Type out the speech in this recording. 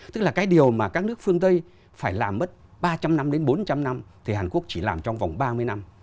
tức là cái điều mà các nước phương tây phải làm mất ba trăm linh năm đến bốn trăm linh năm thì hàn quốc chỉ làm trong vòng ba mươi năm